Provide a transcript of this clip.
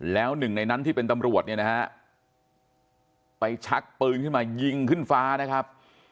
แล้วหนึ่งในนั้นที่เป็นตำรวจเนี่ยนะฮะไปชักปืนขึ้นมายิงขึ้นฟ้านะครับ